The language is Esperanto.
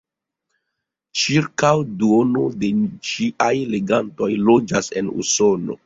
Ĉirkaŭ duono de ĝiaj legantoj loĝas en Usono.